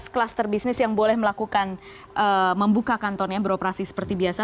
kluster bisnis yang boleh melakukan membuka kantornya beroperasi seperti biasa